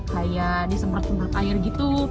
kayak disemprot semprot air gitu